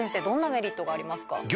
どんなメリットがありますか？